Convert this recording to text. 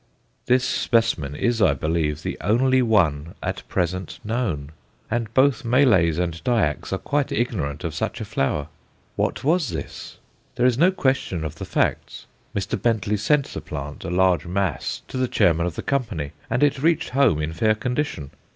This specimen is, I believe, the only one at present known, and both Malays and Dyaks are quite ignorant of such a flower! What was this? There is no question of the facts. Mr. Bentley sent the plant, a large mass to the chairman of the Company, and it reached home in fair condition.